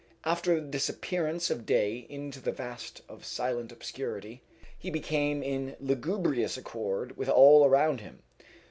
After the disappearance of day into the vast of silent obscurity, he became in lugubrious accord with all around him.